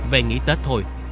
về nghỉ tết thôi